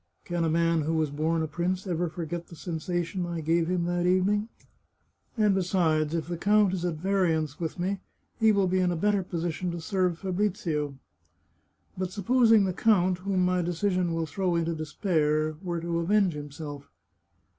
Can a man who was born a prince ever forget the sensation I gave him that evening? And besides, if the count is at variance with me, he will be in a better position to serve Fabrizio. But supposing the count, whom my decision will throw into despair, were to avenge himself.